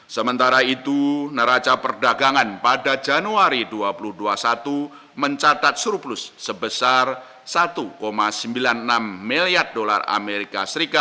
sementara itu neraca perdagangan pada januari dua ribu dua puluh satu mencatat surplus sebesar satu sembilan puluh enam miliar dolar as